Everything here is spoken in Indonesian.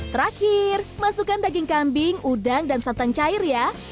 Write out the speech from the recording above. terakhir masukkan daging kambing udang dan santan cair ya